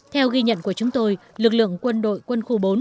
theo ghi nhận của chúng tôi lực lượng quân đội quân khu bốn